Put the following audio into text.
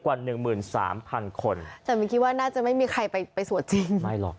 หนึ่งหมื่นสามพันคนแต่มินคิดว่าน่าจะไม่มีใครไปไปสวดจริงไม่หรอก